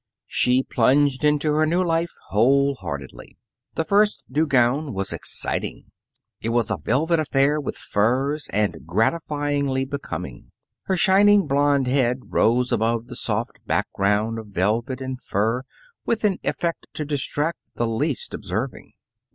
She plunged into her new life whole heartedly. The first new gown was exciting. It was a velvet affair with furs, and gratifyingly becoming. Her shining blond head rose above the soft background of velvet and fur with an effect to distract the least observing.